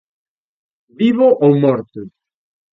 Vivo ou morto?